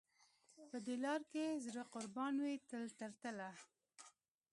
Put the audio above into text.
په دې لار کې زړه قربان وي تل تر تله.